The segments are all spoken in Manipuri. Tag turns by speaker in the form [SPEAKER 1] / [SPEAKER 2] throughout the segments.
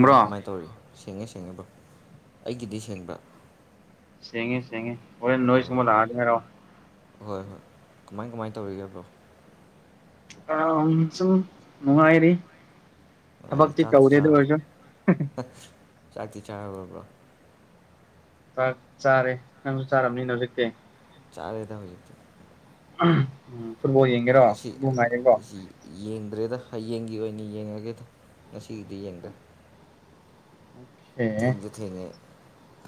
[SPEAKER 1] ꯀꯃꯥꯏ ꯀꯃꯥꯏꯅ ꯇꯧꯔꯤ ꯁꯦꯡꯉꯦ ꯁꯦꯡꯉꯦꯕ ꯑꯩꯒꯤꯗꯤ ꯁꯦꯡꯕ
[SPEAKER 2] ꯁꯦꯡꯉꯦ ꯁꯦꯡꯉꯦ ꯍꯣꯔꯦꯜ ꯅꯣꯏ
[SPEAKER 1] ꯑꯣ
[SPEAKER 2] ꯁꯨꯝꯃ ꯂꯑꯒꯦ ꯍꯥꯏꯔꯣ
[SPEAKER 1] ꯍꯣꯏ ꯍꯣꯏ ꯀꯃꯥꯏ ꯀꯃꯥꯏꯅ ꯇꯧꯔꯤꯒꯦꯕ꯭ꯔꯣ
[SPEAKER 2] ꯑꯝ ꯆꯨꯡ ꯃꯅꯨꯡꯉꯥꯏꯔꯤ
[SPEAKER 1] ꯅꯨꯡꯉꯥꯏꯔꯤ
[SPEAKER 2] ꯊꯕꯛꯇꯤ
[SPEAKER 1] ꯆꯥꯛꯇꯤ
[SPEAKER 2] ꯇꯧꯗꯦꯗ
[SPEAKER 1] ꯆꯥꯔꯕꯣ
[SPEAKER 2] ꯑꯣꯏꯔꯁꯨ
[SPEAKER 1] ꯆꯥꯛꯇꯤ ꯆꯥꯔꯕ꯭ꯔꯣ
[SPEAKER 2] ꯆꯥꯛ ꯆꯥꯔꯦ ꯅꯪꯁꯨ ꯆꯥꯔꯝꯅꯤꯅ ꯍꯧꯖꯤꯛꯇꯤ
[SPEAKER 1] ꯆꯥꯔꯦꯗ ꯍꯧꯖꯤꯛꯇꯤ
[SPEAKER 2] ꯎꯝ ꯐꯨꯠꯂꯣ ꯌꯦꯡꯒꯦꯔꯣ
[SPEAKER 1] ꯉꯁꯤ
[SPEAKER 2] ꯐꯨꯂꯨ
[SPEAKER 1] ꯑ,
[SPEAKER 2] ꯉꯥꯏꯔꯦꯀꯣ
[SPEAKER 1] ꯁꯤ ꯌꯦꯡꯗ꯭ꯔꯦꯗ ꯍꯌꯦꯡꯒꯤ ꯑꯣꯏꯅ ꯌꯦꯡꯉꯒꯦꯗ ꯉꯁꯤꯒꯤꯗꯤ ꯌꯦꯡꯗ꯭ꯔꯥ
[SPEAKER 2] ꯑꯦ
[SPEAKER 1] ꯊꯦꯡꯁꯨ ꯊꯦꯡꯉꯦ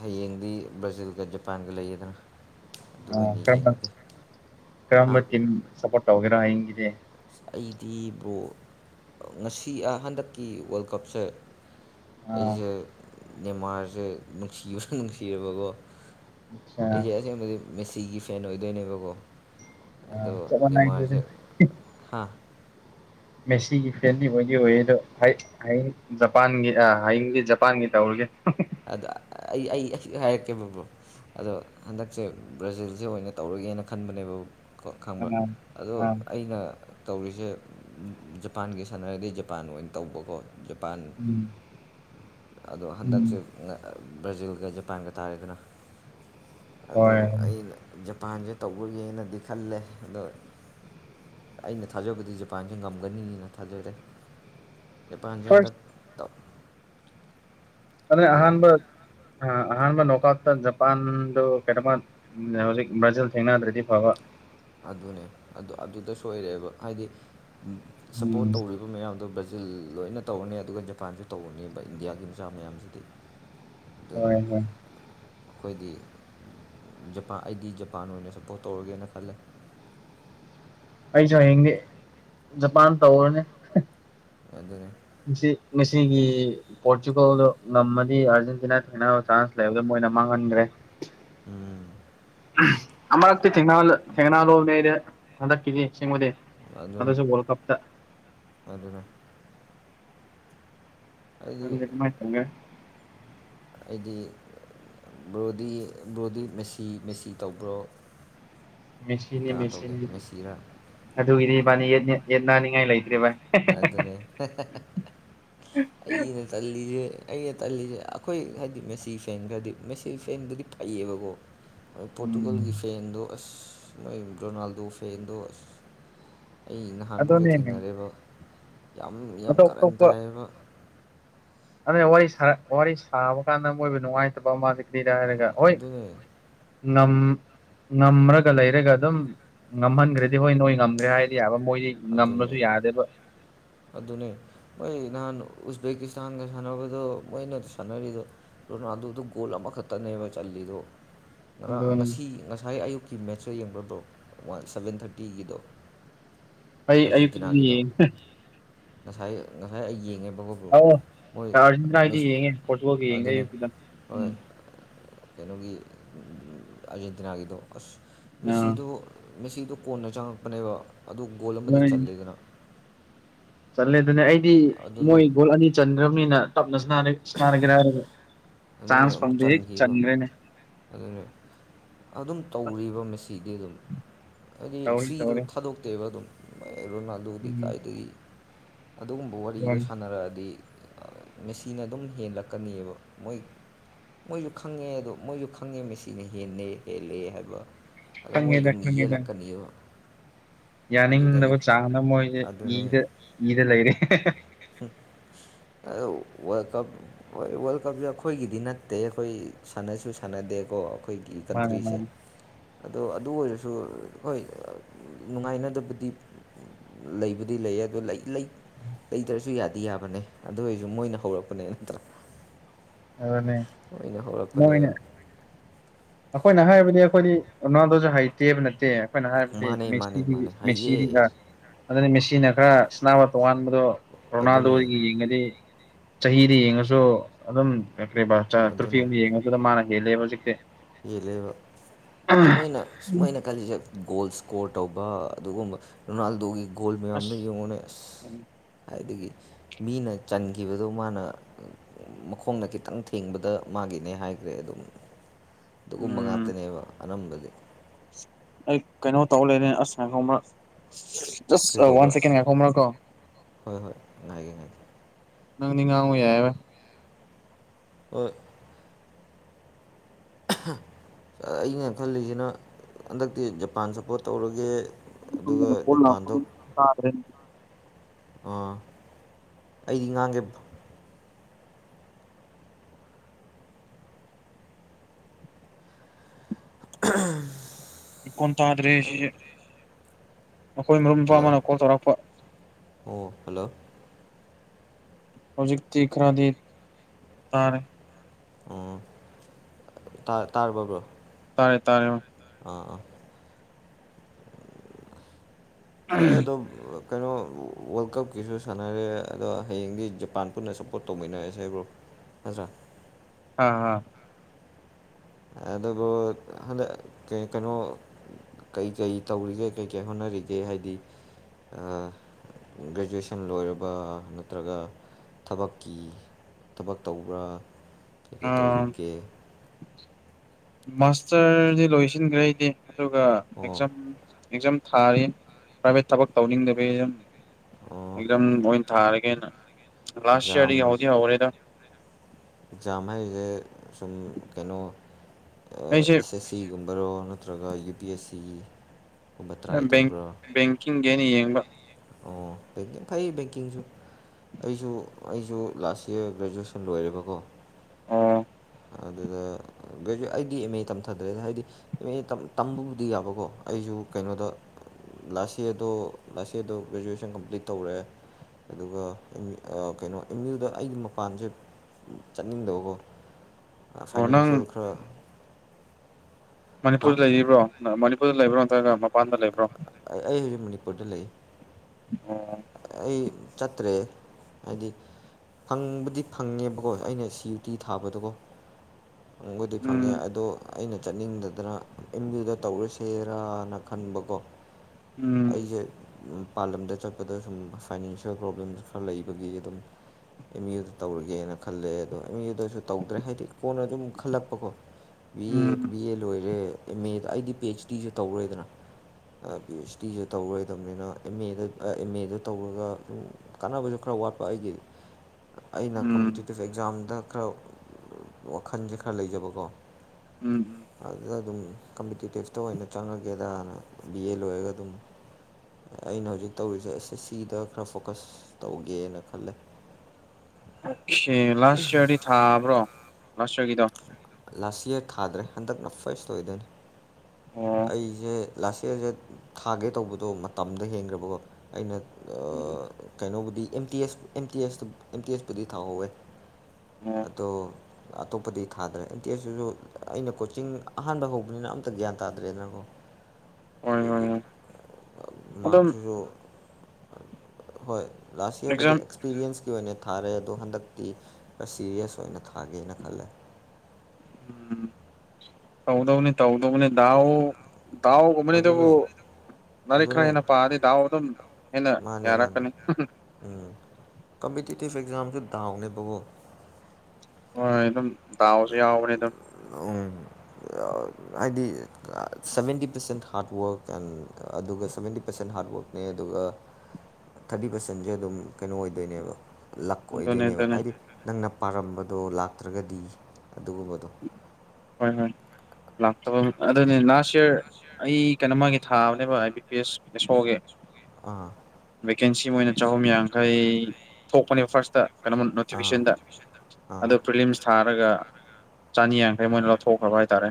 [SPEAKER 1] ꯍꯌꯦꯡꯗꯤ ꯕ꯭ꯔꯥꯖꯤꯜꯒ ꯖꯄꯥꯟꯒ ꯂꯩꯌꯦꯗꯅ ꯑꯗꯨ
[SPEAKER 2] ꯑ
[SPEAKER 1] ꯑꯣꯏꯅ
[SPEAKER 2] ꯀꯔꯝꯕ
[SPEAKER 1] ꯌꯦꯡꯉꯒꯦ ꯍꯥ
[SPEAKER 2] ꯀꯔꯝꯕ ꯇꯤꯝ ꯁꯞꯄꯣꯔꯠ ꯇꯧꯒꯦꯔꯥ ꯍꯌꯦꯡꯒꯤꯗꯤ
[SPEAKER 1] ꯑꯩꯗꯤ ꯕ꯭ꯔꯣ ꯉꯁꯤ ꯍꯟꯗꯛꯀꯤ ꯋꯥꯔꯜ ꯀꯞꯁꯦ
[SPEAKER 2] ꯑꯥ
[SPEAKER 1] ꯑꯩꯁꯦ ꯅꯃꯥꯔꯁꯦ ꯅꯨꯡꯁꯤꯕꯁꯨ ꯅꯨꯡꯁꯤꯔꯕꯀꯣ
[SPEAKER 2] ꯑꯆꯥ
[SPEAKER 1] ꯑꯩꯁꯦ ꯑꯁꯦꯡꯕꯗꯤ ꯃꯦꯁꯤꯒꯤ ꯐꯦꯟ ꯑꯣꯏꯗꯣꯏꯅꯦꯕꯀꯣ ꯑꯗꯣ
[SPEAKER 2] ꯆꯞ ꯃꯥꯟꯅꯩꯗꯨꯗꯤ
[SPEAKER 1] ꯅꯤꯃꯥꯔꯁꯦ ꯍꯥꯥ
[SPEAKER 2] ꯃꯦꯁꯤꯒꯤ ꯐꯦꯟꯅꯤ ꯑꯣꯏꯗꯤ ꯑꯣꯏꯌꯦ ꯑꯗꯣ ꯍꯥꯏ ꯍꯌꯡ ꯖꯄꯥꯟꯒꯤ ꯑ ꯍꯌꯦꯡꯒꯤ ꯖꯄꯥꯟꯒꯤ ꯇꯧꯔꯒꯦ
[SPEAKER 1] ꯑꯗ ꯑꯩ ꯑꯩ ꯍꯥꯏꯔꯛꯀꯦ ꯃꯕꯕꯣ ꯑꯗꯣ ꯍꯟꯗꯛꯁꯦ ꯕ꯭ꯔꯥꯖꯤꯜꯁꯦ ꯑꯣꯏꯅ ꯇꯧꯔꯒꯦꯅ ꯈꯟꯕꯅꯦꯕ ꯀꯣ ꯈꯪꯕ꯭ꯔ
[SPEAKER 2] ꯑꯥ
[SPEAKER 1] ꯑꯗꯣ
[SPEAKER 2] ꯑꯥ
[SPEAKER 1] ꯑꯩꯅ ꯇꯧꯔꯤꯁꯦ ꯖꯄꯥꯟꯒꯤ ꯁꯥꯟꯅꯔꯗꯤ ꯖꯄꯥꯟ ꯑꯣꯏꯅ ꯇꯧꯕꯀꯣ ꯖꯄꯥꯟ
[SPEAKER 2] ꯎꯝ
[SPEAKER 1] ꯑꯗꯣ
[SPEAKER 2] ꯎꯝ
[SPEAKER 1] ꯍꯟꯗꯛꯁꯦ ꯕ꯭ꯔꯥꯖꯤꯜꯒ ꯖꯄꯥꯟꯒ ꯇꯥꯔꯦꯗꯅ ꯑꯗꯣ
[SPEAKER 2] ꯍꯣꯏ
[SPEAKER 1] ꯑꯩꯅ ꯖꯄꯥꯟꯖꯦ ꯇꯧꯕꯒꯦꯅꯗꯤ ꯈꯜꯂꯦ ꯑꯗꯣ ꯑꯩꯅ ꯊꯥꯖꯕꯗꯤ ꯖꯄꯥꯟꯁꯦ ꯉꯝꯒꯅꯤꯅ ꯊꯥꯖꯔꯦ ꯖꯄꯥꯟꯁꯦ
[SPEAKER 2] ꯐꯥꯔꯁ
[SPEAKER 1] ꯍꯟꯗꯛ ꯇꯧ
[SPEAKER 2] ꯑꯅꯦ
[SPEAKER 1] ꯍꯜꯂꯣ
[SPEAKER 2] ꯑꯍꯥꯟꯕ ꯑꯍꯥꯟꯕ ꯅꯣꯀꯥꯛꯇ ꯖꯄꯥꯟꯗꯣ ꯀꯩꯩꯅꯣꯃ ꯎꯝꯅꯦ ꯍꯧꯖꯤꯛ ꯕ꯭ꯔꯥꯖꯤꯜ ꯊꯦꯡꯅꯗ꯭ꯔꯗꯤ ꯐꯕ
[SPEAKER 1] ꯑꯗꯨꯅꯦ ꯑꯗꯨ ꯑꯗꯨꯗ ꯁꯣꯏꯔꯦꯕ ꯍꯥꯏꯗꯤ ꯁꯞꯄꯣꯔꯠ
[SPEAKER 2] ꯎꯝ
[SPEAKER 1] ꯇꯧꯔꯤꯕ ꯑꯗꯨ ꯃꯌꯥꯝꯗꯣ ꯕ꯭ꯔꯥꯖꯤꯜ ꯂꯣꯏꯅ ꯇꯧꯔꯅꯦ ꯑꯗꯨꯒ ꯖꯄꯥꯟꯖꯨ ꯇꯧꯔꯅꯦꯕ ꯏꯟꯗꯤꯌꯥꯒꯤ ꯃꯆꯥ ꯃꯌꯥꯝꯁꯤꯗꯤ ꯗꯨꯅ
[SPEAKER 2] ꯍꯣꯏ ꯍꯣꯏ
[SPEAKER 1] ꯈꯣꯏꯗꯤ ꯖꯄꯥꯟ ꯑꯩꯗꯤ ꯖꯄꯥꯟ ꯑꯣꯏꯅ ꯁꯞꯄꯣꯔꯠ ꯇꯧꯔꯒꯦꯅ ꯈꯜꯂꯦ
[SPEAKER 2] ꯑꯩꯁꯤ ꯍꯌꯦꯡꯗꯤ ꯖꯄꯥꯟ ꯇꯧꯔꯅꯤ
[SPEAKER 1] ꯑꯗꯨꯅꯦ
[SPEAKER 2] ꯃꯤꯁꯤ ꯃꯦꯁꯤꯒꯤ ꯄꯣꯔꯇꯨꯒꯜꯗꯣ ꯉꯝꯃꯗꯤ ꯑꯥꯔꯖꯦꯟꯇꯤꯅꯥ ꯊꯦꯡꯅꯕ ꯆꯥꯟꯁ ꯂꯩꯕꯗ ꯃꯣꯏꯅ ꯃꯥꯡꯍꯟꯒ꯭ꯔꯦ
[SPEAKER 1] ꯎꯝ
[SPEAKER 2] ꯑꯃꯔꯛꯇꯤ ꯊꯦꯡꯅꯥꯜ ꯊꯦꯡꯅꯂꯣꯒꯦꯗꯦ ꯍꯟꯗꯛꯀꯤꯗꯤ ꯁꯦꯡꯕꯗꯤ
[SPEAKER 1] ꯑꯗꯨꯅꯦ ꯑꯗꯨꯅꯦ ꯑꯩꯗꯤ
[SPEAKER 2] ꯍꯪꯗꯦ ꯑꯗꯨꯃꯥꯥꯏ ꯊꯣꯡꯉꯦ
[SPEAKER 1] ꯑꯩꯗꯤ ꯕ꯭ꯔꯣꯗꯤ ꯕ꯭ꯔꯣꯗꯤ ꯃꯦꯁꯤ ꯃꯦꯁꯤ ꯇꯧꯕ꯭ꯔꯣ
[SPEAKER 2] ꯃꯦꯁꯤꯅꯤ
[SPEAKER 1] ꯀꯅꯥ ꯇꯧꯒꯦ
[SPEAKER 2] ꯃꯦꯁꯤꯅꯤ
[SPEAKER 1] ꯃꯦꯁꯤꯔꯥ
[SPEAKER 2] ꯑꯗꯨꯒꯤꯅꯤ ꯏꯕꯥꯅꯤ ꯌꯦꯠꯅ ꯌꯦꯠꯅꯅꯤꯡꯉꯥꯏ ꯂꯩꯇ꯭ꯔꯤꯕꯥꯏ
[SPEAKER 1] ꯑꯗꯅꯦ ꯑꯩꯩꯅ ꯆꯜꯂꯤꯖꯦ ꯑꯩꯅ ꯇꯜꯂꯤꯖꯦ ꯑꯈꯣꯏ ꯍꯥꯏꯗꯤ ꯃꯦꯁꯤ ꯐꯦꯟ ꯈꯔꯗꯤ ꯃꯦꯁꯤ ꯐꯦꯟꯕꯨꯗꯤ ꯐꯩꯌꯦꯕꯀꯣ
[SPEAKER 2] ꯎꯝ
[SPEAKER 1] ꯄꯣꯔꯇꯨꯒꯜꯒꯤ ꯐꯦꯟꯗꯣ ꯑꯁ ꯅꯣꯏ ꯔꯣꯅꯥꯜꯗꯣ ꯐꯦꯟꯗꯣ ꯑꯁ ꯑꯩ ꯅꯍꯥꯟꯃꯨꯛꯁꯨ
[SPEAKER 2] ꯑꯗꯨꯅꯦ
[SPEAKER 1] ꯊꯦꯡꯅꯔꯦꯕ ꯌꯥꯝ ꯌꯥꯝ
[SPEAKER 2] ꯑꯇꯣꯛ
[SPEAKER 1] ꯀꯥꯔꯟ
[SPEAKER 2] ꯇꯣꯛꯄ
[SPEAKER 1] ꯇꯥꯏꯌꯦꯕ
[SPEAKER 2] ꯑꯗꯨꯅꯦ ꯋꯥꯔꯤ ꯁꯥ ꯋꯥꯔꯤ ꯁꯥꯕ ꯀꯥꯟꯗ ꯃꯣꯏꯕꯨ ꯅꯨꯡꯉꯥꯏꯇꯕ ꯃꯥꯗꯤ ꯅꯤꯗ ꯍꯥꯏꯔꯒ ꯑꯣꯏ
[SPEAKER 1] ꯑꯗꯨꯅꯦ
[SPEAKER 2] ꯅꯝ ꯉꯝꯃ꯭ꯔꯒ ꯂꯩꯔꯒ ꯑꯗꯨꯝ ꯉꯝꯍꯟꯒ꯭ꯔꯗꯤ ꯍꯣꯏ ꯅꯣꯏ ꯉꯝꯒ꯭ꯔꯦ ꯍꯥꯏꯔꯗꯤ ꯌꯥꯕ ꯃꯣꯏꯗꯤ ꯉꯝꯔꯁꯨ
[SPEAKER 1] ꯑꯗꯨꯅꯦ
[SPEAKER 2] ꯌꯥꯗꯦꯕ
[SPEAKER 1] ꯑꯗꯨꯅꯦ ꯃꯣꯏ ꯅꯍꯥꯟ ꯎꯁꯕꯦꯀꯤꯁꯇꯥꯟꯒ ꯁꯥꯟꯅꯕꯗꯣ ꯃꯣꯏꯅ ꯁꯥꯟꯅꯔꯤꯗꯣ ꯔꯣꯅꯥꯜꯗꯣꯗꯨ ꯒꯣꯜ ꯑꯃꯈꯇꯅꯦꯕ ꯆꯜꯂꯤꯗꯣ ꯉꯔꯥꯡ
[SPEAKER 2] ꯑꯗꯨꯅꯤ
[SPEAKER 1] ꯉꯁꯤ ꯉꯁꯥꯏ ꯑꯌꯨꯛ ꯀꯤ ꯃꯦꯠꯆꯇꯣ ꯌꯦꯡꯕ꯭ꯔ ꯕ꯭ꯔꯣ ꯋꯥꯟ ꯁꯕꯦꯟ ꯊꯥꯔꯇꯤꯒꯤꯗꯣ
[SPEAKER 2] ꯑꯩ ꯑꯌꯨꯛꯀꯤꯗꯤ ꯗꯨꯝ
[SPEAKER 1] ꯑꯥꯔꯖꯦꯟꯇꯤꯅꯥꯒꯤꯗꯣ
[SPEAKER 2] ꯌꯦꯡꯉꯤ
[SPEAKER 1] ꯉꯁꯥꯏ ꯉꯁꯥꯏ ꯑꯩ ꯌꯦꯡꯉꯦꯕꯀꯣ
[SPEAKER 2] ꯑꯧ
[SPEAKER 1] ꯃꯣꯏ
[SPEAKER 2] ꯑꯥꯔꯖꯦꯟꯇꯤꯅꯥꯒꯤꯗꯤ
[SPEAKER 1] ꯃꯤꯁ
[SPEAKER 2] ꯌꯦꯡꯉꯦ ꯄꯣꯔꯇꯨꯒꯜꯒꯤ ꯌꯦꯡꯉꯦ
[SPEAKER 1] ꯑꯗꯨꯅꯦ
[SPEAKER 2] ꯑꯌꯨꯛꯇꯨꯗ
[SPEAKER 1] ꯍꯣꯏ
[SPEAKER 2] ꯎꯝ
[SPEAKER 1] ꯀꯩꯅꯣꯒꯤ ꯑꯥꯔꯖꯦꯟꯇꯤꯅꯥꯒꯤꯗꯣ ꯑꯁ ꯃꯤꯁꯤꯗꯣ ꯃꯦꯁꯤꯗꯣ ꯀꯣꯟꯅ ꯆꯪꯉꯛꯄꯅꯦꯕ ꯑꯗꯨ ꯒꯣꯜ ꯑꯃꯗꯤ ꯆꯜꯂꯦꯗꯅ
[SPEAKER 2] ꯆꯜꯂꯦ ꯑꯗꯨꯅꯦ ꯑꯩꯗꯤ ꯃꯣꯏ
[SPEAKER 1] ꯑꯗꯨꯅꯦ
[SPEAKER 2] ꯒꯣꯜ ꯑꯅꯤ ꯆꯟꯒ꯭ꯔꯝꯅꯤꯅ ꯇꯞꯅ ꯁ꯭ꯅꯥ ꯁ꯭ꯅꯥꯔꯒꯦꯔ ꯍꯥꯏꯔꯒ
[SPEAKER 1] ꯑꯗꯨꯅꯦ
[SPEAKER 2] ꯆꯥꯥꯟꯁ
[SPEAKER 1] ꯑꯃꯨꯛ
[SPEAKER 2] ꯐꯪꯗꯦꯍꯦ
[SPEAKER 1] ꯆꯟꯈꯤꯕ
[SPEAKER 2] ꯆꯟꯒ꯭ꯔꯦꯅꯦ
[SPEAKER 1] ꯑꯗꯨꯅ ꯑꯗꯨꯝ ꯇꯧꯔꯤꯕ ꯃꯦꯁꯤꯗꯤ ꯑꯗꯨꯝ ꯍꯥꯏꯗꯤ
[SPEAKER 2] ꯇꯧꯔꯤ
[SPEAKER 1] ꯐ꯭ꯔꯤꯗ
[SPEAKER 2] ꯇꯧꯔꯤ
[SPEAKER 1] ꯊꯥꯗꯣꯛꯇꯦꯕ ꯑꯗꯨꯝ ꯔꯣꯅꯥꯜꯗꯣꯗꯤ
[SPEAKER 2] ꯎꯝ
[SPEAKER 1] ꯀꯥꯏꯗꯒꯤ ꯑꯗꯨꯒꯨꯝꯕ ꯋꯥꯔꯤꯗꯣ
[SPEAKER 2] ꯍꯣꯏ
[SPEAKER 1] ꯁꯥꯟꯅꯔꯛꯑꯗꯤ ꯃꯦꯁꯤꯅ ꯑꯗꯨꯝ ꯍꯦꯜꯂꯛꯀꯅꯦꯕ ꯃꯣꯏ ꯃꯣꯏꯖꯨ ꯈꯪꯉꯦ ꯑꯗꯣ ꯃꯣꯏꯖꯨ ꯈꯪꯉꯦ ꯃꯦꯁꯤꯅ ꯍꯦꯟꯅꯦ ꯍꯦꯜꯂꯦ ꯍꯥꯏꯕ ꯑꯗꯣ ꯃꯣꯏ
[SPEAKER 2] ꯈꯪꯉꯦꯗ
[SPEAKER 1] ꯑꯗꯨꯝ
[SPEAKER 2] ꯈꯪꯉꯦꯗ
[SPEAKER 1] ꯌꯦꯜꯂꯀꯅꯦꯕ
[SPEAKER 2] ꯌꯥꯅꯤꯡꯗꯕ ꯆꯥꯡꯅ ꯃꯣꯏꯖꯦ ꯏꯗ ꯏꯗ ꯂꯩꯔꯦ
[SPEAKER 1] ꯑꯗꯤ ꯋꯦꯜꯀꯞ ꯍꯣꯏ ꯋꯥꯔꯜ ꯀꯞꯁꯦ ꯑꯩꯈꯣꯏꯒꯤꯗꯤ ꯅꯠꯇꯦ ꯑꯩꯈꯣꯏ ꯁꯥꯟꯅꯁꯨ ꯁꯥꯟꯅꯗꯦꯀꯣ ꯈꯣꯏꯒꯤ
[SPEAKER 2] ꯃꯥꯅꯦ
[SPEAKER 1] ꯀꯟꯇ꯭ꯔꯤꯁꯦ
[SPEAKER 2] ꯃꯥꯅꯦ
[SPEAKER 1] ꯑꯗꯣ ꯑꯗꯨ ꯑꯣꯏꯔꯁꯨ ꯍꯣꯏ ꯅꯨꯡꯉꯥꯏꯅꯗꯕꯗꯤ ꯂꯩꯕꯨꯗꯤ ꯂꯩꯌꯦ ꯑꯗꯨꯣ ꯂꯩ ꯂꯩꯇ꯭ꯔꯁꯨ ꯌꯥꯗꯤ ꯌꯥꯕꯅꯦ ꯑꯗꯨ ꯑꯣꯏꯁꯨ ꯃꯣꯏꯅ ꯍꯧꯔꯛꯄꯅꯦ ꯅꯠꯇ꯭ꯔꯥ
[SPEAKER 2] ꯑꯋꯅꯦ
[SPEAKER 1] ꯃꯣꯏꯅ ꯍꯧꯔꯛꯄꯅꯦꯕ
[SPEAKER 2] ꯃꯣꯏꯅ ꯑꯩꯈꯣꯏꯅ ꯍꯥꯏꯕꯗꯤ ꯑꯩꯈꯣꯏꯗꯤ ꯔꯣꯅꯥꯜꯗꯣꯁꯨ ꯍꯩꯇꯦꯕ ꯅꯠꯇꯦ꯫ ꯑꯩꯈꯣꯏꯅ ꯍꯥꯏꯕꯗꯤ
[SPEAKER 1] ꯃꯥꯅꯦ ꯃꯥꯅꯦ
[SPEAKER 2] ꯃꯦꯁꯤꯗꯤ
[SPEAKER 1] ꯃꯥꯅꯦ ꯍꯩꯌꯦ
[SPEAKER 2] ꯃꯦꯁꯤꯗꯤꯅ ꯑꯗꯨꯅ ꯃꯦꯁꯤꯅ ꯈꯔ ꯁ꯭ꯅꯥꯕ ꯇꯣꯉꯥꯟꯕꯗꯣ
[SPEAKER 1] ꯑꯗꯨꯅꯦ
[SPEAKER 2] ꯔꯣꯅꯥꯜꯗꯣꯒꯤ ꯌꯦꯡꯉꯗꯤ ꯆꯍꯤꯗ ꯌꯦꯡꯉꯁꯨ ꯑꯗꯨꯝ ꯑꯦ ꯀ꯭ꯔꯤꯕ ꯇ꯭ꯔꯨꯐꯤ
[SPEAKER 1] ꯑꯗꯨꯅꯦ
[SPEAKER 2] ꯑꯃ ꯌꯦꯡꯉꯒꯗ ꯃꯥꯅ ꯍꯦꯜꯂꯦꯕ ꯍꯧꯖꯤꯛꯇꯤ
[SPEAKER 1] ꯍꯦꯜꯂꯩꯕ ꯃꯣꯏꯅꯥ ꯃꯣꯏꯅꯥ ꯀꯂꯤꯖꯦ ꯒꯣꯜ ꯁ꯭ꯀꯣꯔ ꯇꯧꯕ ꯑꯗꯨꯒꯨꯝꯕ ꯔꯣꯅꯥꯜꯗꯣꯒꯤ ꯒꯣꯜ
[SPEAKER 2] ꯑꯁ
[SPEAKER 1] ꯃꯌꯥꯝꯗ ꯌꯦꯡꯉꯨꯅꯦ ꯑꯁ ꯍꯥꯏꯗꯒꯤ ꯃꯤꯅ ꯆꯟꯈꯤꯕꯗꯨꯣ ꯃꯥꯅ ꯃꯈꯣꯡꯗ ꯈꯤꯇꯪ ꯊꯦꯡꯕꯗ ꯃꯥꯒꯤꯅꯦ ꯍꯥꯏꯈ꯭ꯔꯦ ꯑꯗꯨꯝ ꯑꯗꯨꯒꯨꯝꯕ
[SPEAKER 2] ꯎꯝ
[SPEAKER 1] ꯉꯥꯛꯇꯅꯦꯕ ꯑꯅꯝꯕꯗꯤ
[SPEAKER 2] ꯑꯩ ꯀꯩꯅꯣ ꯇꯧ ꯂꯩꯔꯦ ꯑꯁ ꯉꯥꯏꯈꯣ ꯑꯝꯔꯛ ꯖꯁ
[SPEAKER 1] ꯀꯩ
[SPEAKER 2] ꯑ
[SPEAKER 1] ꯇꯧꯕ꯭ꯔꯥ
[SPEAKER 2] ꯋꯥꯟ ꯁꯦꯀꯦꯟ ꯉꯥꯏꯈꯣ ꯑꯃ꯭ꯔꯛ ꯀꯣ
[SPEAKER 1] ꯍꯣꯏ ꯍꯣꯏ ꯉꯥꯏꯒꯦ ꯉꯥꯏꯒꯦ
[SPEAKER 2] ꯅꯪꯗꯤ ꯉꯥꯡꯉꯨ ꯌꯥꯏꯌꯦꯕ
[SPEAKER 1] ꯑꯣꯢ [unintelligible] ꯑꯩꯅ ꯈꯜꯂꯤꯁꯤꯅ ꯍꯟꯗꯛꯇꯤ ꯖꯄꯥꯟ ꯁꯞꯄꯣꯔꯠ ꯇꯧꯔꯒꯦ ꯑꯗꯨꯒ
[SPEAKER 2] ꯐꯣꯟ ꯂꯥꯛꯄꯗꯨ
[SPEAKER 1] ꯖꯄꯥꯟꯗꯣꯛ
[SPEAKER 2] ꯇꯥꯗ꯭ꯔꯦ
[SPEAKER 1] ꯑꯥ ꯑꯩꯗꯤ ꯉꯥꯡꯒꯦꯕ [unintelligible]
[SPEAKER 2] ꯀꯣꯟ ꯇꯥꯗ꯭ꯔꯦ
[SPEAKER 1] ꯑꯩ
[SPEAKER 2] ꯁꯤꯁꯦ ꯃꯈꯣꯏ ꯃꯔꯨꯞ ꯃꯄꯥ
[SPEAKER 1] ꯍꯜꯂꯣ
[SPEAKER 2] ꯑꯃꯅ ꯀꯣꯜ ꯇꯧꯔꯛꯄ
[SPEAKER 1] ꯑꯣ ꯍꯜꯂꯣ
[SPEAKER 2] ꯍꯧꯖꯤꯛꯇꯤ ꯈꯔꯗꯤ ꯇꯥꯔꯦ
[SPEAKER 1] ꯑꯣ ꯇꯥꯔ ꯇꯥꯔꯕꯕ꯭ꯔꯣ
[SPEAKER 2] ꯇꯥꯔꯦ ꯇꯥꯔꯦ
[SPEAKER 1] ꯑꯥ ꯑꯥ ꯑꯦ ꯑꯗꯨꯝ ꯀꯩꯅꯣ ꯋꯥꯔꯜ ꯀꯞꯀꯤꯁꯨ ꯁꯥꯟꯅꯔꯦ ꯑꯗꯣ ꯍꯌꯦꯡꯗꯤ ꯖꯄꯥꯟ ꯄꯨꯟꯅ ꯁꯞꯄꯣꯔꯠ ꯇꯧꯃꯤꯟꯅꯔꯁꯦꯕ꯭ꯔꯣ ꯍꯖ꯭ꯔꯥ
[SPEAKER 2] ꯍꯥ ꯍꯥ
[SPEAKER 1] ꯑꯗꯨꯕꯨ ꯍꯟꯗꯛ ꯀ ꯀꯩꯅꯣ ꯀꯩꯀꯩ ꯇꯧꯔꯤꯒꯦ ꯀꯩꯀꯩ ꯍꯣꯠꯅꯔꯤꯒꯦ ꯍꯥꯏꯗꯤ ꯑ ꯒ꯭ꯔꯦꯖꯨꯑꯦꯁꯟ ꯂꯣꯏꯔꯕ ꯅꯠꯇ꯭ꯔꯒ ꯊꯕꯛꯀꯤ ꯊꯕꯛ ꯇꯧꯕ꯭ꯔꯥ
[SPEAKER 2] ꯑ
[SPEAKER 1] ꯀꯩꯀꯩ ꯇꯧꯔꯤꯕꯒꯦ
[SPEAKER 2] ꯃꯥꯁꯇꯔꯗꯤ ꯂꯣꯏꯁꯤꯟꯈ꯭ꯔꯦ ꯑꯩꯗꯤ ꯑꯗꯨꯒ
[SPEAKER 1] ꯑꯣ
[SPEAKER 2] ꯑꯦꯛꯖꯥꯝ ꯑꯦꯛꯖꯝ ꯊꯥꯔꯤꯌꯦ ꯄ꯭ꯔꯥꯏꯚꯦꯠ ꯊꯕꯛ ꯇꯧꯅꯤꯡꯗꯕꯒꯤ ꯑꯗꯨꯝ
[SPEAKER 1] ꯑꯣ
[SPEAKER 2] ꯑꯦꯛꯖꯝ ꯑꯣꯏꯟ ꯊꯥꯔꯒꯦꯅ ꯂꯥꯁ
[SPEAKER 1] ꯑꯦꯛꯖꯥꯝ
[SPEAKER 2] ꯏꯌꯥꯔꯗꯤ ꯌꯧꯗꯤ ꯍꯧꯔꯦꯗ
[SPEAKER 1] ꯑꯦꯛꯖꯥꯝ ꯍꯥꯏꯔꯤꯁꯦ ꯁꯨꯝ ꯀꯩꯅꯣ
[SPEAKER 2] ꯑꯩꯁꯦ
[SPEAKER 1] ꯑꯦꯁ ꯑꯦꯁ ꯏꯒꯨꯝꯕꯔꯣ ꯅꯠꯇ꯭ꯔꯒ ꯌꯨ ꯄꯤ ꯑꯦꯁ ꯁꯤꯒꯤ
[SPEAKER 2] ꯕꯦꯡ ꯕꯦꯡꯀꯤꯡꯒꯤ ꯑꯩꯅ ꯌꯦꯡꯕ
[SPEAKER 1] ꯑꯣ ꯐꯩ ꯕꯦꯡꯀꯤꯡꯁꯨ ꯑꯩꯁꯨ ꯑꯩꯁꯨ ꯂꯥꯁ ꯏ꯭ꯌꯔ ꯒ꯭ꯔꯦꯖꯨꯋꯦꯁꯟ ꯂꯣꯏꯔꯦꯕꯀꯣ
[SPEAKER 2] ꯑꯣ
[SPEAKER 1] ꯑꯗꯨꯗ ꯒ꯭ꯔꯦꯖꯨꯋꯦꯠ ꯑꯩꯗꯤ ꯑꯦꯝ ꯑꯦ ꯇꯝꯊꯗ꯭ꯔꯦ ꯍꯥꯏꯗꯤ ꯑꯦꯝ ꯑꯦ ꯇꯝ ꯇꯝꯕꯕꯨꯗꯤ ꯌꯥꯕꯀꯣ ꯑꯩꯖꯨ ꯀꯩꯅꯣꯗ ꯂꯥꯁ ꯏꯌ꯭ꯔꯗꯣ ꯂꯥꯁ ꯌꯔꯗꯣ ꯒ꯭ꯔꯦꯖꯨꯑꯦꯁꯟ ꯀꯝꯄ꯭ꯂꯤꯠ ꯇꯧꯔꯦ ꯑꯗꯨꯒ ꯀꯩꯅꯣ ꯑꯦꯝ ꯌꯨꯗ ꯑꯩꯒꯤ ꯃꯄꯥꯟꯖꯦ ꯆꯠꯅꯤꯡꯗꯕꯀꯣ
[SPEAKER 2] ꯑꯣ ꯅꯪ
[SPEAKER 1] ꯐꯥꯏꯅꯥꯟꯁꯨ ꯈꯔ ꯍꯥ
[SPEAKER 2] ꯃꯅꯤꯄꯨꯔꯗ ꯂꯩꯔꯤꯕ꯭ꯔꯣ ꯃꯅꯤꯄꯨꯔꯗ ꯂꯩꯕ꯭ꯔꯣ ꯅꯠꯇ꯭ꯔꯒꯅ ꯃꯄꯥꯟꯗ ꯂꯩꯕ꯭ꯔꯣ
[SPEAKER 1] ꯑꯥ ꯑꯩ ꯍꯧꯖꯤꯛ ꯃꯅꯤꯄꯨꯔꯗ ꯂꯩ
[SPEAKER 2] ꯑꯣ
[SPEAKER 1] ꯑꯩ ꯆꯠꯇ꯭ꯔꯦ ꯍꯥꯏꯗꯤ ꯐꯪꯕꯗꯤ ꯐꯪꯉꯦꯕꯀꯣ ꯑꯩꯅ ꯁꯤ ꯌꯨ ꯇꯤ ꯊꯥꯕꯗꯣꯀꯣ ꯐꯪꯕꯨꯗꯤ
[SPEAKER 2] ꯎꯝ
[SPEAKER 1] ꯐꯪꯉꯦ ꯑꯗꯣ ꯑꯩꯅ ꯆꯠꯅꯤꯡꯗꯗꯅ ꯑꯦꯝ ꯌꯨꯗ ꯇꯧꯔꯁꯦꯔꯅ ꯈꯟꯕꯀꯣ
[SPEAKER 2] ꯎꯝ
[SPEAKER 1] ꯑꯩꯖꯦ ꯃꯄꯥꯟꯂꯝꯗ ꯆꯠꯄꯗ ꯁꯨꯝ ꯐꯥꯏꯅꯤꯟꯁꯤꯌꯦꯜ ꯄ꯭ꯔꯣꯕ꯭ꯂꯦꯝ ꯈꯔ ꯂꯩꯕꯒꯤ ꯑꯗꯨꯝ ꯑꯦꯝ ꯌꯨꯗ ꯇꯧꯔꯒꯦꯅ ꯈꯜꯂꯦ ꯑꯗꯣ ꯑꯦꯝ ꯌꯨꯗꯁꯨ ꯇꯧꯗ꯭ꯔꯦ ꯍꯥꯏꯗꯤ ꯀꯣꯟꯅ ꯑꯗꯨꯝ ꯈꯜꯂꯛꯄꯀꯣ B A
[SPEAKER 2] um
[SPEAKER 1] B A ꯂꯣꯏꯔꯦ ꯑꯦꯝ ꯑꯦ ꯑꯩꯗꯤ ꯄꯤ ꯑꯩꯆ ꯗꯤꯁꯨ ꯇꯧꯔꯣꯏꯗꯅ ꯄꯤ ꯑꯩꯆ ꯗꯤꯁꯨ ꯇꯧꯔꯣꯏꯗꯕꯅꯤꯅ ꯑꯦꯝ ꯑꯦꯗ ꯑꯦꯝ ꯑꯦꯗ ꯇꯧꯔꯒ ꯀꯥꯟꯅꯕꯖꯨ ꯈꯔ ꯋꯥꯠꯄ ꯑꯩꯒꯤ ꯑꯩꯅ
[SPEAKER 2] ꯎꯝ ꯎꯝ
[SPEAKER 1] ꯀꯝꯄꯤꯇꯤꯇꯤꯞ ꯑꯦꯛꯖꯥꯝꯗ ꯈꯔ ꯋꯥꯈꯟꯖꯦ ꯈꯔ ꯂꯩꯖꯕꯀꯣ
[SPEAKER 2] ꯎꯝ
[SPEAKER 1] ꯑꯗꯨꯗ ꯑꯗꯨꯝ ꯀꯝꯄꯤꯇꯤꯇꯤꯞꯇ ꯑꯣꯏꯅ ꯆꯪꯉꯒꯦꯗꯅ ꯕꯤ ꯑꯦ ꯂꯣꯏꯔꯒ ꯑꯗꯨꯝ ꯑꯩꯅ ꯍꯧꯖꯤꯛ ꯇꯧꯔꯤꯖꯦ ꯑꯦꯁ ꯑꯦꯁ ꯁꯤꯗ ꯈꯔ ꯐꯣꯀ꯭ꯁ ꯇꯧꯒꯦꯅ ꯈꯜꯂꯦ
[SPEAKER 2] [unintelligible] ꯂꯥꯁ ꯏꯌꯥꯔꯗꯤ ꯊꯥꯕ꯭ꯔꯣ ꯂꯥꯁ ꯌꯥꯔꯒꯤꯗꯣ
[SPEAKER 1] ꯂꯥꯁ ꯏꯌꯥꯔ ꯊꯥꯗ꯭ꯔꯦ ꯍꯟꯗꯛꯅ ꯐ꯭ꯔꯁ ꯑꯣꯏꯗꯣꯏꯅꯤ
[SPEAKER 2] ꯑꯣ
[SPEAKER 1] ꯑꯩꯖꯦ ꯂꯥꯁ ꯌ꯭ꯔꯖꯦ ꯊꯥꯒꯦ ꯇꯧꯕꯗꯣ ꯃꯇꯝꯗ ꯍꯦꯟꯒ꯭ꯔꯕꯀꯣ ꯑꯩꯅ ꯑꯥ ꯀꯩꯅꯣꯕꯨꯗꯤ M T S M T ꯑꯦꯁꯇ ꯑꯦꯝ ꯇꯤ ꯑꯦꯁꯄꯨꯗꯤ ꯊꯥꯎꯍꯧꯋꯦ
[SPEAKER 2] ꯑꯣ
[SPEAKER 1] ꯑꯗꯣ ꯑꯇꯣꯞꯄꯗꯤ ꯊꯥꯗ꯭ꯔꯦ ꯑꯦꯝ ꯇꯤ ꯑꯦꯁ ꯇꯨꯁꯨ ꯑꯩꯅ ꯀꯣꯆꯤꯡ ꯑꯍꯥꯟꯕ ꯍꯧꯕꯅꯤꯅ ꯑꯝꯇ ꯒ꯭ꯌꯥꯟ ꯇꯥꯗ꯭ꯔꯦꯅꯀꯣ [inaudible]
[SPEAKER 2] ꯍꯣꯏ ꯍꯣꯏ
[SPEAKER 1] ꯑꯗꯨꯗꯒꯤ
[SPEAKER 2] ꯍꯣꯏ ꯑꯗꯨꯝ
[SPEAKER 1] ꯃꯥꯛꯇꯨꯖꯨ ꯍꯣꯏ ꯂꯥꯁ ꯌꯔꯕꯨꯗ
[SPEAKER 2] ꯑꯦꯛꯖꯥꯝ
[SPEAKER 1] ꯑꯦꯛꯁꯄꯤꯔꯤꯌꯦꯟꯁꯀꯤ ꯑꯣꯏꯅ ꯊꯥꯔꯦ ꯑꯗꯣ ꯍꯟꯗꯛꯇꯤ ꯁꯤꯔꯤꯌ꯭ꯁ ꯑꯣꯏꯅ ꯊꯥꯒꯦꯅ ꯈꯜꯂꯦ
[SPEAKER 2] ꯎꯝ ꯇꯧꯗꯧꯅꯤ ꯇꯧꯗꯧꯅꯤ ꯗꯥꯎ ꯗꯥꯎꯒꯨꯝꯕꯅꯤ ꯑꯗꯨꯕꯨ
[SPEAKER 1] ꯑꯗꯨꯅꯦ
[SPEAKER 2] ꯂꯥꯏꯔꯤꯛ ꯈꯔ
[SPEAKER 1] ꯑꯗꯨꯅꯦ
[SPEAKER 2] ꯍꯦꯟꯅ ꯄꯥꯗꯤ ꯗꯥꯎ ꯑꯗꯨꯝ ꯍꯦꯟꯅ
[SPEAKER 1] ꯃꯥꯅꯦ ꯃꯥꯅꯦ
[SPEAKER 2] ꯌꯥꯔꯛꯀꯅꯤ
[SPEAKER 1] ꯎꯝ ꯀꯝꯄꯤꯇꯤꯇꯤꯞ ꯑꯦꯛꯖꯥꯝꯁꯨ ꯗꯥꯎꯅꯦ ꯀꯣ
[SPEAKER 2] ꯍꯣꯏ ꯑꯗꯨꯝ ꯗꯥꯎꯁꯨ ꯌꯥꯎꯕꯅꯦ ꯑꯗꯨꯝ
[SPEAKER 1] [unintelligible] ꯍꯥꯏꯗꯤ ꯁꯕꯦꯟꯇꯤ ꯄꯔꯁꯦꯟ ꯍꯥꯔꯠꯋꯔꯛ ꯑꯦꯟ ꯑꯗꯨꯒ ꯁꯕꯦꯟꯇꯤ ꯄꯔꯁꯦꯟ ꯍꯥꯔꯗꯋꯔꯛ ꯅꯦ ꯑꯗꯨꯒ ꯊꯥꯔꯇꯤ ꯄꯥꯔꯁꯦꯟꯁꯦ ꯑꯗꯨꯝ ꯀꯩꯅꯣ ꯑꯣꯏꯗꯣꯏꯅꯦꯕ ꯂꯛ
[SPEAKER 2] ꯑꯗꯨꯅꯦ
[SPEAKER 1] ꯑꯣꯏꯗꯣꯏꯅꯦꯕ
[SPEAKER 2] ꯑꯗꯨꯅꯦ
[SPEAKER 1] ꯍꯥꯏꯗꯤ ꯅꯪꯅ ꯄꯥꯔꯝꯕꯗꯣ ꯂꯥꯛꯇ꯭ꯔꯒꯗꯤ ꯑꯗꯨꯒꯨꯝꯕꯗꯣ
[SPEAKER 2] ꯍꯣꯏ ꯍꯣꯏ ꯂꯥꯛꯇꯕ ꯑꯗꯨꯅꯤ ꯂꯥꯁ ꯏꯌꯥꯔ ꯑꯩ ꯀꯩꯅꯣꯃꯥꯒꯤ ꯊꯥꯕꯅꯦꯕ ꯑꯥꯏ ꯕꯤ ꯄꯤ ꯑꯦꯁ ꯑꯦꯁꯣꯒꯤ
[SPEAKER 1] ꯑꯥ
[SPEAKER 2] ꯚꯦꯀꯦꯟꯁꯤ ꯃꯣꯏꯅ ꯆꯍꯨꯝ ꯌꯥꯡꯈꯩ ꯊꯣꯛꯄꯅꯦꯕ ꯐꯥꯔꯁꯇ ꯀꯩꯅꯣꯃ
[SPEAKER 1] ꯑꯥ
[SPEAKER 2] ꯅꯣꯇꯤꯐꯤꯀꯦꯁꯟꯗ ꯑꯗꯣ
[SPEAKER 1] ꯑꯥ
[SPEAKER 2] ꯄ꯭ꯔꯤꯂꯤꯝꯁ ꯊꯥꯔꯒ ꯆꯥꯅꯤꯌꯥꯡ ꯑꯗꯩ ꯃꯣꯏꯅ ꯂꯧꯊꯣꯛꯈ꯭ꯔꯕ ꯍꯥꯏꯇꯥꯔꯦ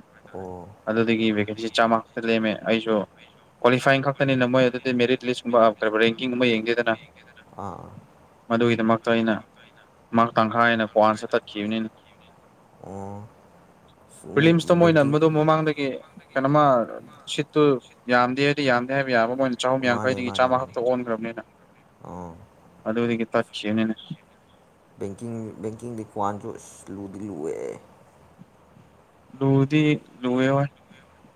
[SPEAKER 2] ꯑꯗꯨꯗꯒꯤ ꯚꯦꯀꯦꯟꯁꯤ ꯆꯥꯝꯃ ꯈꯛꯇ ꯂꯦꯝꯃꯦ ꯑꯩꯁꯨ ꯀ꯭ꯋꯥꯂꯤꯐꯥꯏꯤꯡ ꯈꯛꯇꯅꯤꯅ ꯃꯣꯏ ꯑꯗꯨꯗꯤ ꯃꯦꯔꯤꯠ ꯂꯤꯁꯀꯨꯝꯕ ꯀꯔꯤꯕ ꯔꯦꯡꯀꯤꯡꯒꯨꯝꯕ ꯌꯦꯡꯗꯦꯗꯅ
[SPEAKER 1] ꯑꯣ ꯑꯥ
[SPEAKER 2] ꯃꯗꯨꯒꯤꯗꯃꯛꯇ ꯑꯩꯅ ꯃꯔꯥꯛ ꯇꯪꯈꯥꯏ ꯍꯦꯟꯅ [unintelligible] ꯇꯠꯈꯤꯕꯅꯤꯅ
[SPEAKER 1] ꯑꯣ ꯁꯨꯝ
[SPEAKER 2] ꯄ꯭ꯔꯤꯂꯤꯝꯁꯇꯣ ꯃꯣꯏꯅ
[SPEAKER 1] ꯕꯦꯡꯀꯤꯡ
[SPEAKER 2] ꯃꯗꯨ ꯃꯃꯥꯡꯗꯒꯤ ꯀꯩꯅꯣꯃ ꯁꯤꯠꯇꯨ ꯌꯥꯝ ꯗꯦꯗꯤ ꯌꯥꯝꯗꯦ ꯍꯥꯏꯕ ꯌꯥꯕ ꯃꯣꯏꯅ ꯆꯍꯨꯝ
[SPEAKER 1] ꯃꯥꯅꯦ
[SPEAKER 2] ꯌꯥꯡꯈꯩꯗꯒꯤ
[SPEAKER 1] ꯃꯥꯅꯦ
[SPEAKER 2] ꯆꯥꯝꯃꯥ
[SPEAKER 1] ꯃꯥꯅꯦ
[SPEAKER 2] ꯈꯛꯇ ꯑꯣꯟꯈ꯭ꯔꯕꯅꯤꯅ
[SPEAKER 1] ꯑꯥ
[SPEAKER 2] ꯑꯗꯨꯗꯒꯤ ꯇꯠꯈꯤꯕꯅꯤꯅꯦ
[SPEAKER 1] ꯕꯦꯡꯀꯤꯡ ꯕꯦꯡꯀꯤꯡꯗꯤ [unintelligible] ꯑꯁ ꯂꯨꯗꯤ ꯂꯨꯑꯦ
[SPEAKER 2] ꯂꯨꯕꯗꯤ ꯂꯨꯋꯦ ꯍꯣꯏ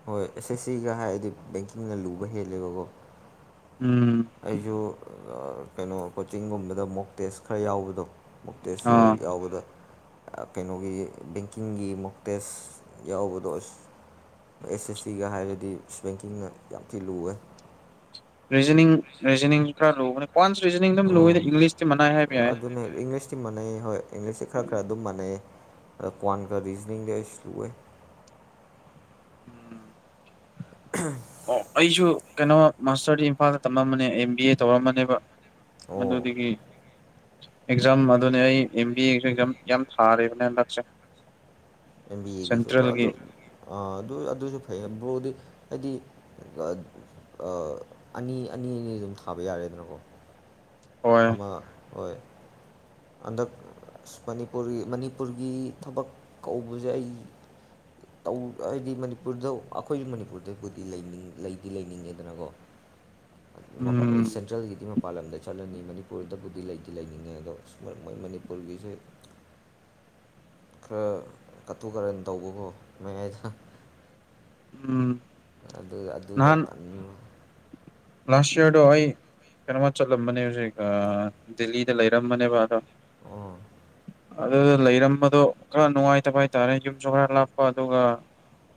[SPEAKER 1] ꯍꯣꯏ ꯑꯦꯁ ꯑꯦꯁ ꯁꯤꯒ ꯍꯥꯏꯔꯗꯤ ꯕꯦꯡꯀꯤꯡꯅ ꯂꯨꯕ ꯍꯦꯜꯂꯦꯕꯀꯣ
[SPEAKER 2] ꯎꯝ
[SPEAKER 1] ꯑꯩꯁꯨ ꯑ ꯀꯩꯅꯣ ꯀꯣꯆꯤꯡꯒꯨꯝꯕꯗ ꯃꯣꯛ ꯇꯦꯁ ꯈꯔ ꯌꯥꯎꯕꯗꯣ ꯃꯣꯛ ꯇꯦꯁꯁꯨ
[SPEAKER 2] ꯑꯥ
[SPEAKER 1] ꯌꯥꯎꯕꯗꯣ ꯑ ꯀꯩꯅꯣꯒꯤ ꯕꯦꯡꯀꯤꯡꯒꯤ ꯃꯣꯛꯇꯦꯁ ꯌꯥꯎꯕꯗꯣ ꯑꯁ ꯑꯦꯁ ꯑꯦꯁ ꯁꯤꯒ ꯍꯥꯏꯔꯗꯤ ꯑꯁ ꯕꯦꯡꯀꯤꯡꯅ ꯌꯥꯝ ꯊꯤ ꯂꯨꯋꯦ
[SPEAKER 2] ꯔꯤꯖꯅꯤꯡ ꯔꯤꯖꯅꯤꯡꯁꯨ ꯈꯔ ꯂꯨꯕ ꯀ꯭ꯋꯥꯟꯁ ꯔꯤꯖꯅꯤꯡ ꯑꯗꯨꯝ ꯂꯨꯏꯗ ꯏꯪꯂꯤꯁꯇꯤ ꯃꯅꯥꯏ ꯍꯥꯏꯕ ꯌꯥꯏ
[SPEAKER 1] [unintelligible] ꯏꯪꯪꯂꯤꯁ ꯁꯤ ꯃꯥꯟꯅꯩ ꯍꯣꯏ ꯏꯪꯂꯤꯁꯁꯤ ꯈꯔ ꯈꯔ ꯑꯗꯨꯝ ꯃꯥꯟꯅꯩꯌꯦ ꯑꯗꯣ ꯀ꯭ꯋꯥꯟꯒ ꯔꯤꯖꯅꯤꯡꯗꯤ ꯑꯩꯁꯨ ꯂꯨꯋꯦ
[SPEAKER 2] ꯎꯝ
[SPEAKER 1] [unintelligible]
[SPEAKER 2] ꯑꯣ ꯑꯩꯁꯨ ꯀꯩꯅꯣ ꯃꯥꯁꯇꯔꯗꯤ ꯏꯝꯐꯥꯜꯗ ꯇꯝꯂꯝꯝꯕꯅꯦ ꯑꯦꯝ ꯕꯤ ꯑꯦ ꯇꯧꯔꯝꯕꯅꯦꯕ
[SPEAKER 1] ꯑꯣ
[SPEAKER 2] ꯃꯗꯨꯗꯒꯤ ꯑꯦꯛꯖꯥꯝ ꯑꯗꯨꯅꯦ ꯑꯩ ꯑꯦꯝ ꯕꯤ ꯑꯦꯒꯤꯁꯨ ꯑꯦꯛꯖꯥꯝ ꯌꯥꯝ ꯊꯥꯔꯤꯕꯅꯦ ꯍꯟꯗꯛꯁꯦ
[SPEAKER 1] ꯑꯦꯝ ꯕꯤ ꯑꯦꯒꯤꯁꯨ ꯑꯣ ꯑꯗꯨ
[SPEAKER 2] ꯁꯦꯟꯇ꯭ꯔꯦꯜꯒꯤ
[SPEAKER 1] ꯑ ꯑꯗꯨ ꯑꯗꯨꯁꯨ ꯐꯩꯌꯦ ꯕ꯭ꯔꯣꯗꯤ ꯍꯥꯏꯗꯤ ꯑ ꯑꯅꯤ ꯑꯅꯤ ꯑꯅꯤ ꯑꯗꯨꯝ ꯊꯥꯕ ꯌꯥꯔꯦꯗꯅꯀꯣ
[SPEAKER 2] ꯍꯣꯏ
[SPEAKER 1] ꯑꯃ ꯍꯣꯏ ꯍꯟꯗꯛ ꯑꯁ ꯃꯅꯤꯄꯨꯔꯤ ꯃꯅꯤꯄꯨꯔꯒꯤ ꯊꯕꯛ ꯀꯧꯕꯁꯦ ꯑꯩ ꯇꯧ ꯍꯥꯏꯗꯤ ꯃꯅꯤꯄꯨꯔꯗ ꯑꯩꯈꯣꯏ ꯃꯅꯤꯄꯨꯔꯗꯕꯨꯗꯤ ꯂꯩꯗꯤ ꯂꯩꯅꯤꯡꯉꯦꯗꯅꯀꯣ [inaudible] ꯃꯄꯥꯟ
[SPEAKER 2] ꯎꯝ
[SPEAKER 1] ꯁꯦꯟꯇ꯭ꯔꯦꯜꯒꯤꯗꯤ ꯃꯄꯥꯟ ꯂꯝꯗ ꯆꯠꯂꯅꯤ ꯃꯅꯤꯄꯨꯔꯗꯕꯨꯗꯤ ꯂꯩꯗꯤ ꯂꯩꯅꯤꯡꯉꯦ ꯑꯗꯣ ꯃꯣꯏ ꯃꯣꯏ ꯃꯅꯤꯄꯨꯔꯒꯤꯁꯦ ꯈꯔ ꯀꯠꯇꯨ ꯀꯥꯔꯟ ꯇꯧꯕꯀꯣ ꯃꯌꯥꯏꯗ
[SPEAKER 2] ꯎꯝ
[SPEAKER 1] ꯑꯗꯨꯒ ꯑꯗꯨꯗ
[SPEAKER 2] ꯅꯍꯥꯟ
[SPEAKER 1] ꯇꯟꯕ
[SPEAKER 2] ꯂꯥꯁ ꯌꯥꯔꯗꯣ ꯑꯩ ꯀꯩꯅꯣꯃ ꯆꯠꯂꯝꯕꯅꯦ ꯍꯧꯖꯤꯛ ꯑ ꯗꯦꯜꯂꯤꯗ ꯂꯩꯔꯝꯕꯅꯦꯕ ꯑꯗꯣ
[SPEAKER 1] ꯑꯣ
[SPEAKER 2] ꯑꯗꯨꯗ ꯂꯩꯔꯝꯕꯗꯣ ꯈꯔ ꯅꯨꯡꯉꯥꯏꯇꯕ ꯍꯥꯏꯇꯥꯔꯦ ꯌꯨꯝꯁꯨ ꯈꯔ ꯂꯥꯞꯄ ꯑꯗꯨꯒ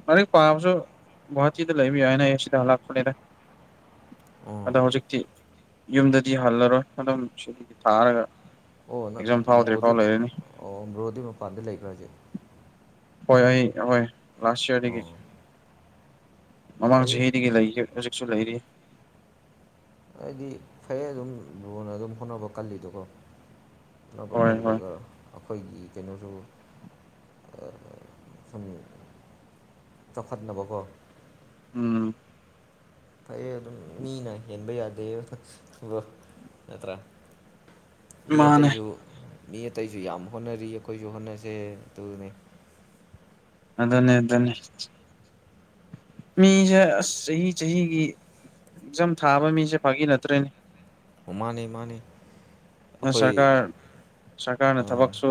[SPEAKER 2] ꯂꯥꯏꯔꯤꯛ ꯄꯥꯕꯁꯨ ꯒꯨꯍꯥꯇꯤꯗ ꯂꯩꯕ ꯌꯥꯏꯅꯦ ꯑꯩ ꯁꯤꯗ ꯍꯜꯂꯛꯄꯅꯤꯅꯦ
[SPEAKER 1] ꯑꯣ
[SPEAKER 2] ꯑꯗꯣ ꯍꯧꯖꯤꯛꯇꯤ ꯌꯨꯝꯗꯗꯤ ꯍꯜꯂꯔꯣꯏ ꯑꯗꯨꯝ ꯁꯤꯗꯒꯤ ꯊꯥꯔꯒ
[SPEAKER 1] ꯑꯣ ꯅꯪ
[SPEAKER 2] ꯑꯦꯛꯖꯥꯝ ꯐꯥꯎꯗ꯭ꯔꯤ ꯐꯥꯎ
[SPEAKER 1] ꯕ꯭ꯔꯣꯗꯤ
[SPEAKER 2] ꯂꯩꯔꯅꯤ
[SPEAKER 1] ꯑꯣ ꯕ꯭ꯔꯣꯗꯤ ꯃꯄꯥꯟꯗ ꯂꯩꯕ꯭ꯔꯥ ꯍꯧꯖꯤꯛ
[SPEAKER 2] ꯍꯣꯏ ꯑꯩ ꯍꯣꯏ ꯂꯥꯁ ꯌꯥꯔꯗꯒꯤ
[SPEAKER 1] ꯑꯣ
[SPEAKER 2] ꯃꯃꯥꯡ
[SPEAKER 1] ꯐꯩ
[SPEAKER 2] ꯆꯍꯤꯗꯒꯤ ꯂꯩꯒ ꯍꯧꯖꯤꯛꯁꯨ ꯂꯩꯔꯤ
[SPEAKER 1] ꯍꯥꯏꯗꯤ ꯐꯩꯌꯦ ꯑꯗꯨꯝ ꯕ꯭ꯔꯣꯅ ꯑꯗꯨꯝ ꯍꯣꯠꯅꯕ ꯀꯜꯂꯤꯗꯣꯀꯣ ꯍꯣꯠꯅꯕ
[SPEAKER 2] ꯍꯣꯏ ꯍꯣꯏ
[SPEAKER 1] ꯀꯜꯂꯒ ꯑꯩꯈꯣꯏꯒꯤ ꯀꯩꯅꯣꯁꯨ ꯊꯝ ꯆꯈꯠ ꯅꯕ ꯀꯣ
[SPEAKER 2] ꯎꯝ
[SPEAKER 1] ꯐꯩꯌꯦ ꯐꯩꯌꯦ ꯃꯤꯅ ꯍꯦꯟꯕ ꯌꯥꯗꯦ ꯊꯕꯛ ꯅꯠꯇ꯭ꯔꯥ ꯃꯤ
[SPEAKER 2] ꯃꯥꯅꯦ
[SPEAKER 1] ꯑꯇꯩꯁꯨ ꯃꯤ ꯑꯇꯩꯁꯨ ꯌꯥꯝ ꯍꯣꯠꯅꯔꯤ ꯑꯩꯈꯣꯏꯁꯨ ꯍꯣꯠꯅꯁꯦ ꯑꯗꯨꯅꯤ
[SPEAKER 2] ꯑꯗꯨꯅꯦ ꯑꯗꯨꯅꯦ ꯃꯤꯁꯦ ꯑꯁ ꯆꯍꯤ ꯆꯍꯤꯒꯤ ꯑꯦꯛꯖꯥꯝ ꯊꯥꯕ ꯃꯤꯁꯦ ꯐꯥꯒꯤ ꯅꯠꯇ꯭ꯔꯦꯅꯦ
[SPEAKER 1] ꯑꯣ ꯃꯥꯅꯦ ꯃꯥꯅꯦ ꯑꯩꯈꯣꯏ
[SPEAKER 2] ꯁꯔꯀꯥꯔ ꯁꯔꯀꯥꯔꯅ ꯊꯕꯛꯁꯨ